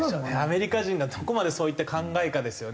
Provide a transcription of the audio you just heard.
アメリカ人がどこまでそういった考えかですよね。